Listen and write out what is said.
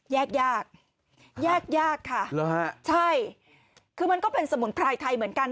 ยากยากค่ะเหรอฮะใช่คือมันก็เป็นสมุนไพรไทยเหมือนกัน